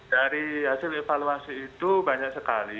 dari hasil evaluasi itu banyak sekali